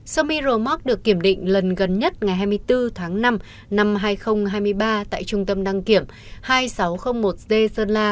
somi rò móc được kiểm định lần gần nhất ngày hai mươi bốn tháng năm năm hai nghìn hai mươi ba tại trung tâm đăng kiểm hai nghìn sáu trăm linh một d sơn la